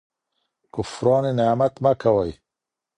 کفران نعمت مه کوئ.